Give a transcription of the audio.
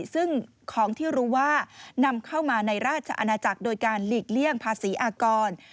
ซึ่งของที่รู้ว่านำเข้ามาในราชอาณาจักรโดยการหลีกเลี่ยงภาษีอากร